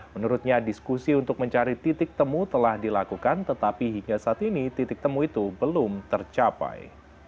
menurutnya diskusi untuk mencari titik temu telah dilakukan tetapi hingga saat ini titik temu itu belum tercapai